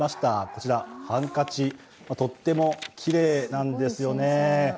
こちらハンカチ、とってもきれいなんですよね。